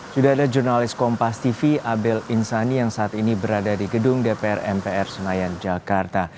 sudah ada jurnalis kompas tv abel insani yang saat ini berada di gedung dpr mpr senayan jakarta